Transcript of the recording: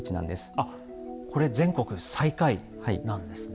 あっこれ全国最下位なんですね。